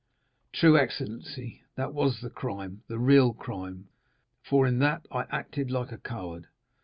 "True, excellency, that was the crime, the real crime, for in that I acted like a coward.